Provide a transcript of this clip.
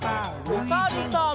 おさるさん。